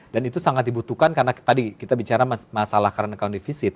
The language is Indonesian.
dan itu sangat dibutuhkan karena tadi kita bicara masalah current account defisit